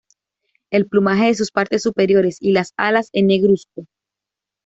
El plumaje de sus partes superiores y las alas es negruzco.